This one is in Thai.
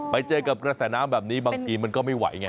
ไปเจอกับกระแสน้ำแบบนี้บางทีมันก็ไม่ไหวไง